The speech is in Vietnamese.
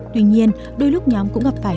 tuy nhiên đôi lúc nhóm cũng không biết